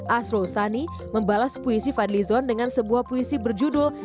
asro usani membalas puisi fadlison dengan sebuah puisi berjudul